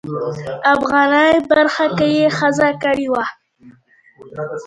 افغاني برخه کې یې ښځه کړې وه.